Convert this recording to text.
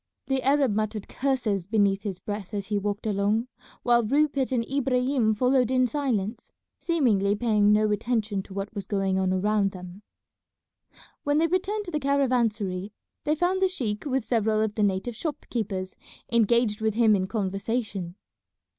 The Arab muttered curses beneath his breath as he walked along, while Rupert and Ibrahim followed in silence, seemingly paying no attention to what was going on around them. When they returned to the caravansary they found the sheik with several of the native shop keepers engaged with him in conversation.